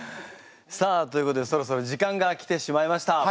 さあということでそろそろ時間が来てしまいました。